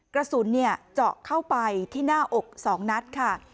กระสุนเจาะเข้าไปที่หน้าอก๒นัดค่ะ